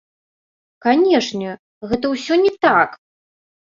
Канечне, гэта ўсё не так.